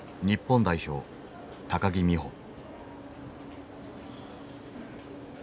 日本代表木美帆。